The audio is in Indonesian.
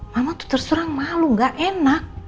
mama tuh terserang malu gak enak